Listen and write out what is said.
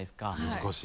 難しい。